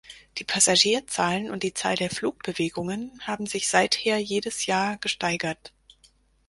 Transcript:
Die Passagierzahlen und die Zahl der Flugbewegungen haben sich seither jedes Jahr gesteigert.